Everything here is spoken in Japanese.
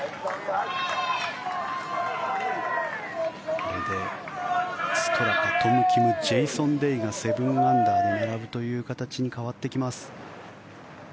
これでストラカトム・キム、ジェイソン・デイが７アンダーで並ぶという形に変わってきます。